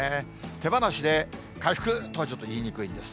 手放しで回復とはちょっと言いにくいんです。